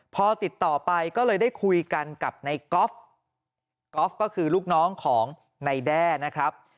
พอติดต่อไปก็เลยได้คุยกันกับในก๊อฟก๊อฟก็คือลูกน้องของนายแด้นะครับ